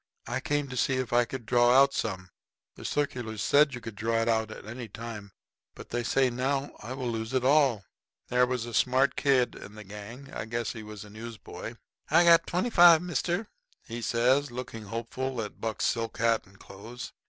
I came to see if I could draw out some. The circulars said you could draw it at any time. But they say now I will lose it all." There was a smart kind of kid in the gang I guess he was a newsboy. "I got in twenty fi', mister," he says, looking hopeful at Buck's silk hat and clothes.